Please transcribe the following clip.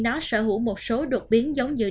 nó sở hữu một số đột biến giống như dera